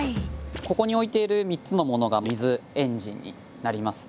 ここに置いている３つのものが水エンジンになります。